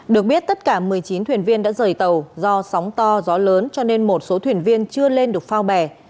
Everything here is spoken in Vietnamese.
được biết tất cả một mươi chín thuyền viên đã rời tàu do sóng to gió lớn cho nên một số thuyền viên chưa lên được phao bè